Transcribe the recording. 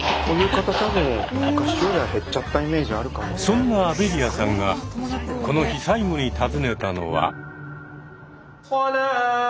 そんなアベリアさんがこの日最後に訪ねたのは。